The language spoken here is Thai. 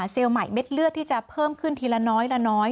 ใหม่เม็ดเลือดที่จะเพิ่มขึ้นทีละน้อยละน้อย